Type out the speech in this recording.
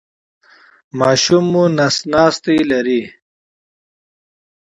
ماشوم مو نس ناستی لري؟